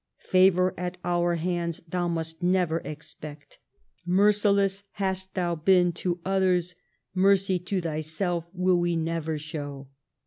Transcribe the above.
Favour at our hands thou must never expect. Merciless hast thou been to others, mercy to thyself will we never show."